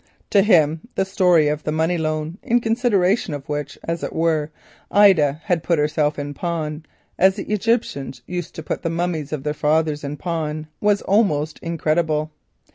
To him the story of the money loan—in consideration of which, as it were, Ida had put herself in pawn, as the Egyptians used to put the mummies of their fathers in pawn—was almost incredible.